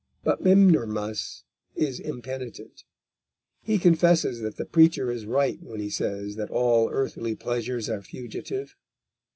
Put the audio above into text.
But Mimnermus is impenitent. He confesses that the preacher is right when he says that all earthly pleasures are fugitive.